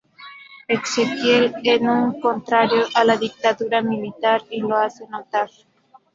Exequiel es un contrario a la Dictadura Militar y lo hace notar.